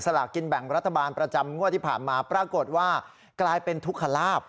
ลากินแบ่งรัฐบาลประจำงวดที่ผ่านมาปรากฏว่ากลายเป็นทุกขลาบ